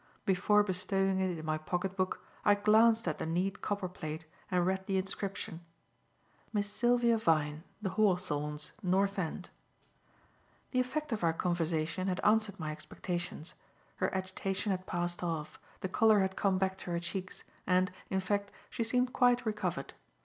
Before bestowing it in my pocket book, I glanced at the neat copper plate and read the inscription: "Miss Sylvia Vyne. The Hawthorns. North End." The effect of our conversation had answered my expectations. Her agitation had passed off, the colour had come back to her cheeks, and, in fact, she seemed quite recovered.